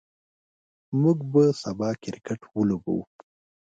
موږ به سبا کرکټ ولوبو.